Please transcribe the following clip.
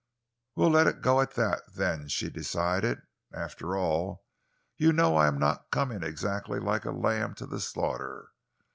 "We'll let it go at that, then," she decided. "After all, you know, I am not coming exactly like a lamb to the slaughter.